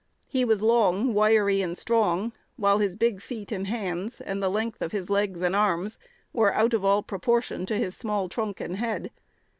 He was long, wiry, and strong; while his big feet and hands, and the length of his legs and arms, were out of all proportion to his small trunk and head.